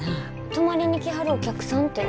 泊まりに来はるお客さんて。